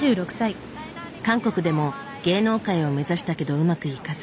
韓国でも芸能界を目指したけどうまくいかず。